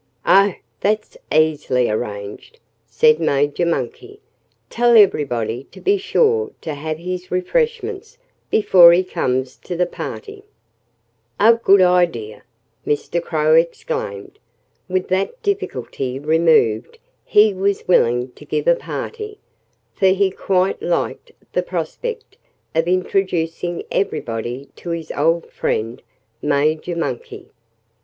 "Oh! that's easily arranged," said Major Monkey. "Tell everybody to be sure to have his refreshments before he comes to the party." "A good idea!" Mr. Crow exclaimed. With that difficulty removed he was willing to give a party, for he quite liked the prospect of introducing everybody to "his old friend, Major Monkey."